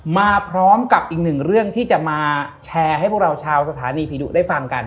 มาพร้อมกับอีกหนึ่งเรื่องที่จะมาแชร์ให้พวกเราชาวสถานีผีดุได้ฟังกัน